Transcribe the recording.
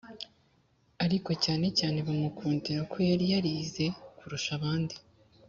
ariko cyane cyane bamukundiraga ko yari yarize kurusha abandi